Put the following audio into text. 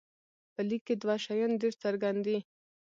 په لیک کې دوه شیان ډېر څرګند دي.